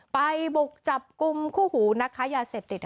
บุกจับกลุ่มคู่หูนักค้ายาเสพติด